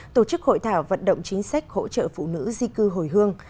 tổ chức hội thảo vận động chính sách hỗ trợ phụ nữ di cư hồi hương